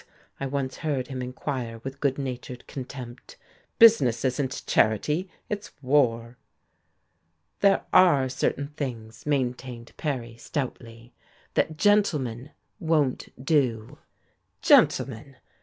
I once heard him inquire with good natured contempt. "Business isn't charity, it's war. "There are certain things," maintained Perry, stoutly, "that gentlemen won't do." "Gentlemen!"